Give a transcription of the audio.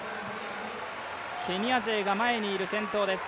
ケニア勢が前にいる先頭です。